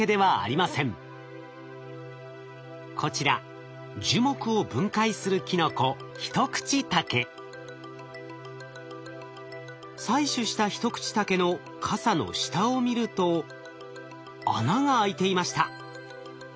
こちら樹木を分解するキノコ採取したヒトクチタケのかさの下を見ると穴が開いていました。